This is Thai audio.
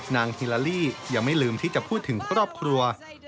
ฮิลาลี่ยังไม่ลืมที่จะพูดถึงครอบครัว